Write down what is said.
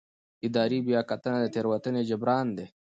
اداري بیاکتنه د تېروتنې جبران دی.